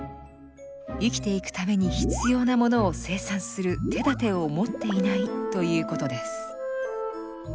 生きていくために必要なものを生産する手だてを持っていないということです。